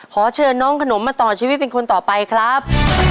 ขอเชิญน้องขนมมาต่อชีวิตเป็นคนต่อไปครับ